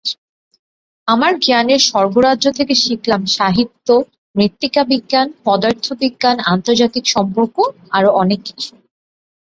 আমার জ্ঞানের স্বর্গরাজ্য থেকে শিখলাম সাহিত্য, মৃত্তিকাবিজ্ঞান, পদার্থবিজ্ঞান, আন্তর্জাতিক সম্পর্ক—আরও অনেক কিছু।